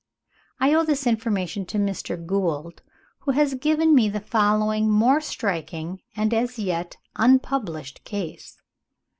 I owe this information to Mr. Gould, who has given me the following more striking and as yet unpublished case.